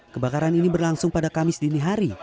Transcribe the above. kebakaran ini berlangsung pada kamis dinihari